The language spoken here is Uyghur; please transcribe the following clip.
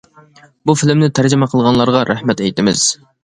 بۇ فىلىمنى تەرجىمە قىلغانلارغا رەھمەت ئېيتىمىز.